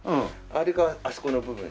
あれがあそこの部分。